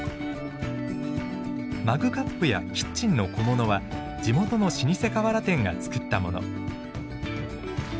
マグカップやキッチンの小物は地元の老舗瓦店が作ったもの。